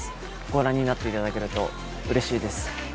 ご覧になっていただけるとうれしいです。